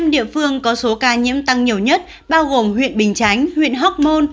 năm địa phương có số ca nhiễm tăng nhiều nhất bao gồm huyện bình chánh huyện hóc môn